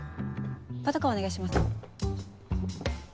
パトカーお願いします。